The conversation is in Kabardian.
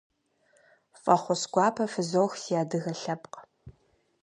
Фӏэхъус гуапэ фызох, си адыгэ лъэпкъ!